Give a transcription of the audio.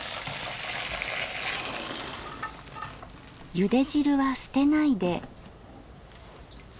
ゆで汁は捨てないで。